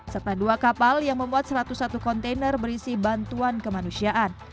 serta dua kapal yang membuat satu ratus satu kontainer berisi bantuan kemanusiaan